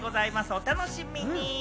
お楽しみに！